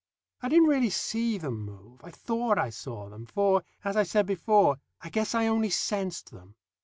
I didn't really see them move; I thought I saw them, for, as I said before, I guess I only sensed them.